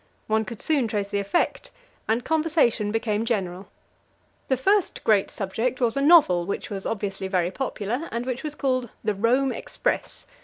One could soon trace the effect, and conversation became general. The first great subject was a novel, which was obviously very popular, and was called "The Rome Express."